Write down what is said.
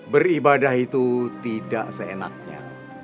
beribadah itu tidak seenaknya